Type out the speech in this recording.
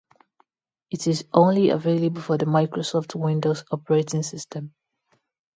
It is only available for the Microsoft Windows operating system.